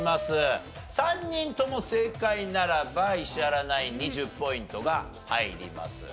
３人とも正解ならば石原ナインに１０ポイントが入ります。